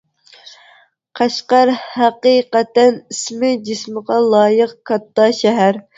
قەشقەر ھەقىقەتەن ئىسمى جىسمىغا لايىق كاتتا شەھەر.